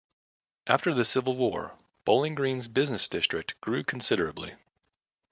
After the Civil War, Bowling Green's business district grew considerably.